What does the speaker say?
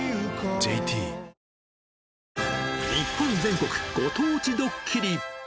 ＪＴ日本全国ご当地ドッキリ。